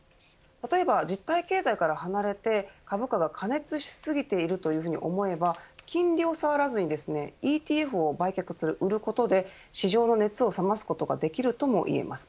例えば実体経済から離れて株価が過熱し過ぎていると思えば金利をさわらずにですねＥＴＦを売却する、売ることで市場の熱を冷ますことができるともいえます。